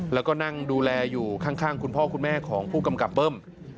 แล้วก็นั่งดูแลอยู่ข้างคุณพ่อคุณแม่ของผู้กำกับเบิ้ม